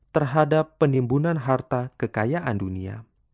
terhadap penimbunan harta kekayaan dunia